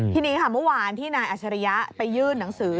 ทีนี้ค่ะเมื่อวานที่นายอัชริยะไปยื่นหนังสือ